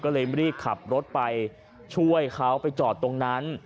ก็เลยรีบขับรถไปช่วยเขาไปจอดตรงนั้น